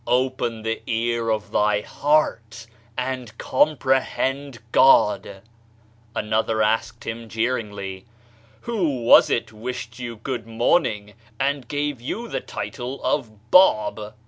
"Open the ear of thy heart, and comprehend God !" Another asked him jeeringly: "Who was it wished you good morning, and gave you the title of Bab?"